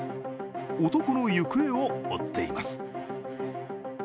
男の行方を追っています。